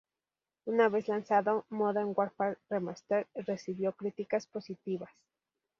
Una vez lanzado, "Modern Warfare Remastered" recibió críticas positivas.